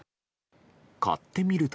買ってみると。